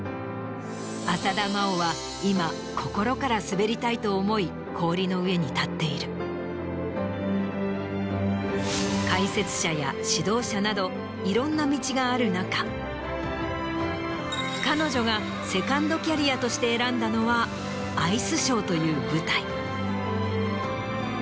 浅田真央は。と思い氷の上に立っている。などいろんな道がある中彼女がセカンドキャリアとして選んだのはアイスショーという舞台。